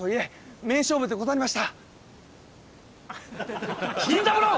名勝負でございました！